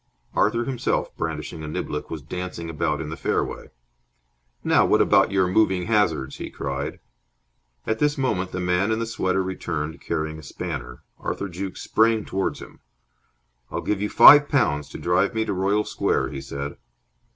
Arthur himself, brandishing a niblick, was dancing about in the fairway. "Now what about your moving hazards?" he cried. At this moment the man in the sweater returned, carrying a spanner. Arthur Jukes sprang towards him. "I'll give you five pounds to drive me to Royal Square," he said.